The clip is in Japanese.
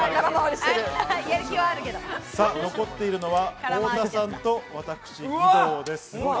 残っているのは太田さんと私、義堂です。